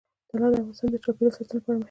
طلا د افغانستان د چاپیریال ساتنې لپاره مهم دي.